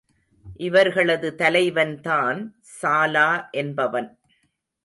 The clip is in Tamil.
இவர்களது தலைவன்தான் சாலா என்பவன்.